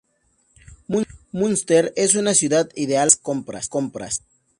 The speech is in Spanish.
Münster es una ciudad ideal para las compras.